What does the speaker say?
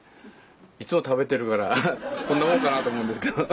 いつも食べてるからこんなもんかなと思うんですけど。